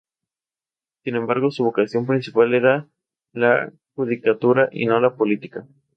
Sin embargo, su vocación principal era la judicatura y no la política.